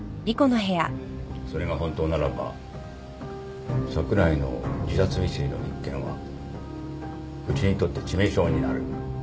それが本当ならば櫻井の自殺未遂の一件はうちにとって致命傷になる